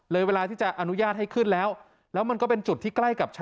เวลาที่จะอนุญาตให้ขึ้นแล้วแล้วมันก็เป็นจุดที่ใกล้กับชั้น